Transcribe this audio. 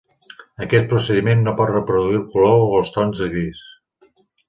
Aquest procediment no pot reproduir el color o els tons de gris.